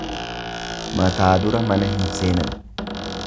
Mataa dura mana hin seenan.